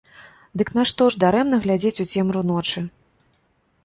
Дык нашто ж дарэмна глядзець у цемру ночы?